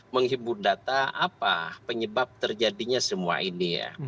menghibur data apa penyebab terjadinya semua ini ya